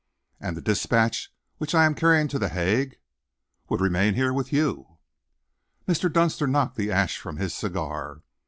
"And the dispatch which I am carrying to The Hague?" "Would remain here with you." Mr. Dunster knocked the ash from his cigar.